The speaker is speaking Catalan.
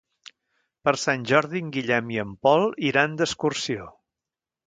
Per Sant Jordi en Guillem i en Pol iran d'excursió.